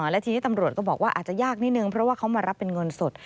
และทีนี้ตำรวจก็บอกว่าอาจจะยากนิดนึงเพราะว่าเขามารับเป็นเงินสด